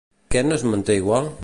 Què no es manté igual?